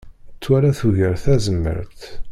Ttwala tugar tazmert.